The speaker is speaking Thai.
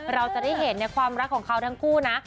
เราจะได้เห็นความรักของเขาทั้งคู่นะ